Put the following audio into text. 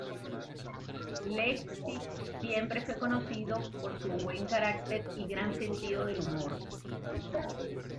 Lefty siempre fue conocido por su buen carácter y gran sentido del humor.